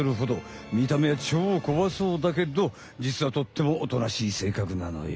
みためはちょうこわそうだけどじつはとってもおとなしい性格なのよ。